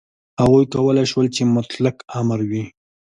هغوی کولای شول چې مطلق امر وي.